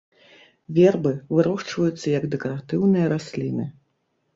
Вербы вырошчваюцца як дэкаратыўныя расліны.